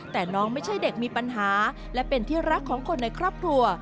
แต่น้องไม่ใช่เด็กมีปัญหาและเป็นที่รักของคนในครอบครัว